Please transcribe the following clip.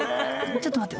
［ちょっと待って。